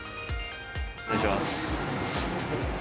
お願いします。